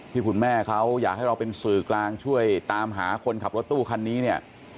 ที่คุณแม่เขาอยากให้เราเป็นสื่อกลางช่วยตามหาคนขับรถตู้คันนี้เนี่ย